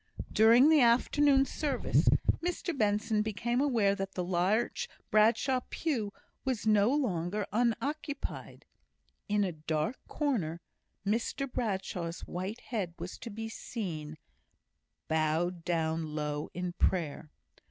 During the afternoon service, Mr Benson became aware that the large Bradshaw pew was no longer unoccupied. In a dark corner Mr Bradshaw's white head was to be seen, bowed down low in prayer.